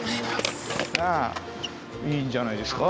いいんじゃないですか。